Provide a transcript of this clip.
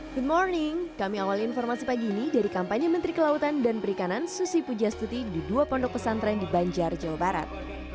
good morning kami awal informasi pagi ini dari kampanye menteri kelautan dan perikanan susi pujastuti di dua pondok pesantren di banjar jawa barat